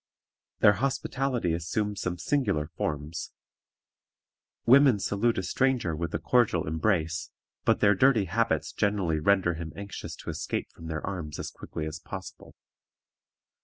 Their hospitality assumes some singular forms. Women salute a stranger with a cordial embrace, but their dirty habits generally render him anxious to escape from their arms as quickly as possible.